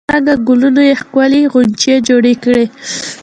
له هر رنګ ګلونو یې ښکلې غونچې جوړې کړي.